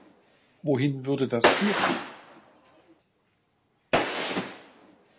Wohin würde das führen?